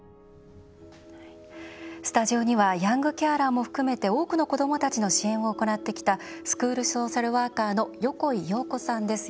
スタジオにはヤングケアラーも含めて多くの子どもたちの支援を行ってきたスクールソーシャルワーカーの横井葉子さんです。